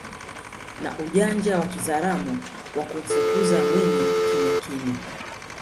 na ujanja wa kizaramo wa kumfukuza mwizi kimyakimya